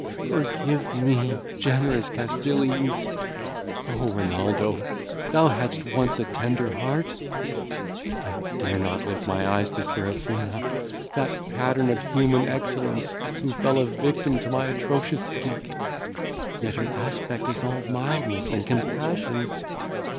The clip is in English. Forgive me, generous Castilian. O Renaldo! thou hadst once a tender heart. I dare not lift my eyes to Serafina! that pattern of human excellence, who fell a victim to my atrocious guilt; yet her aspect is all mildness and compassion.